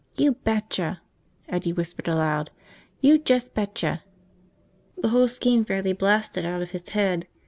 "You betcha!" Eddie whispered aloud. "You just betcha!" The whole scheme fairly blasted out of his head.